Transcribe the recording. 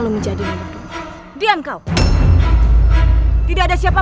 percaya jangan menyebabkan kau